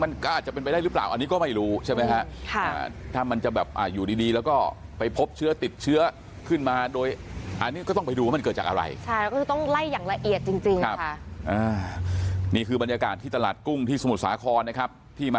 มันก็อาจจะเป็นไปได้หรือเปล่าอันนี้ก็ไม่รู้ใช่ไหมครับ